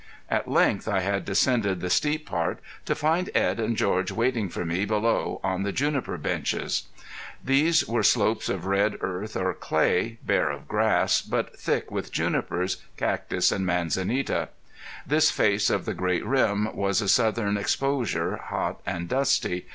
At length I had descended the steep part to find Edd and George waiting for me below on the juniper benches. These were slopes of red earth or clay, bare of grass, but thick with junipers, cactus, and manzanita. This face of the great rim was a southern exposure, hot and dusty.